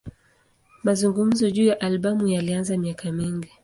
Mazungumzo juu ya albamu yalianza miaka mingi.